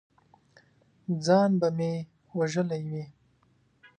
ځان به مې وژلی وي!